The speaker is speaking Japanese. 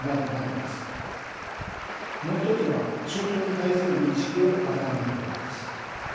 もう一つは中東に対する認識を改めたことです。